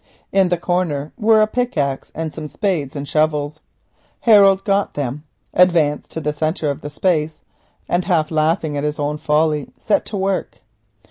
In the corner were a pickaxe and some spades and shovels. Harold got them, advanced to the centre of the space and, half laughing at his own folly, set to work.